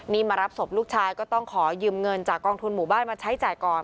นี่มารับศพลูกชายก็ต้องขอยืมเงินจากกองทุนหมู่บ้านมาใช้จ่ายก่อน